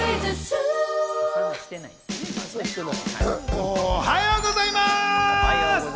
おはようございます！